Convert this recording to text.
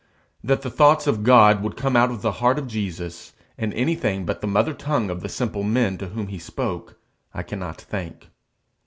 That the thoughts of God would come out of the heart of Jesus in anything but the mother tongue of the simple men to whom he spoke, I cannot think.